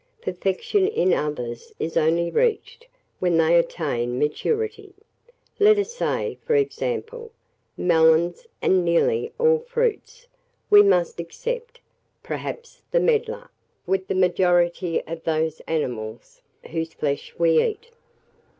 Perfection in others is only reached when they attain maturity: let us say, for example, melons and nearly all fruits (we must except, perhaps, the medlar), with the majority of those animals whose flesh we eat.